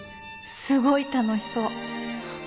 すごい楽しそう。